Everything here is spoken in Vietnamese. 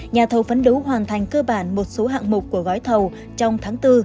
nhà thầu phấn đấu hoàn thành cơ bản một số hạng mục của gói thầu trong tháng bốn